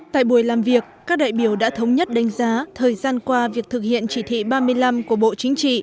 tại buổi làm việc các đại biểu đã thống nhất đánh giá thời gian qua việc thực hiện chỉ thị ba mươi năm của bộ chính trị